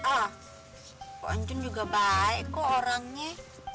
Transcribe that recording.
ah pak anjun juga baik kok orangnya